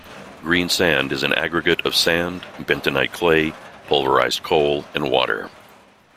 Green sand is an aggregate of sand, bentonite clay, pulverized coal and water.